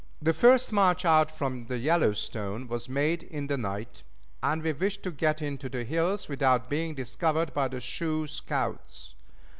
The first march out from the Yellowstone was made in the night, as we wished to get into the hills without being discovered by the Sioux scouts.